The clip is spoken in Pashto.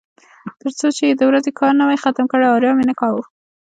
تر څو یې د ورځې کار نه وای ختم کړی ارام یې نه کاوه.